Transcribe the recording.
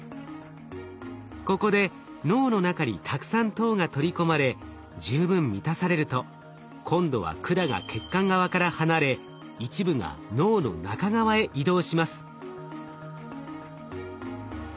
ここで脳の中にたくさん糖が取り込まれ十分満たされると今度は管が血管側から離れ一部が脳の中側へ移動します。